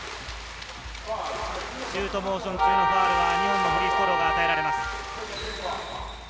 シュートモーション中のファウルは２本のフリースローが与えられます。